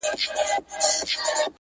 وير راوړي غم راوړي خنداوي ټولي يوسي دغه~